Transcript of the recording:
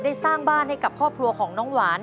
สร้างบ้านให้กับครอบครัวของน้องหวาน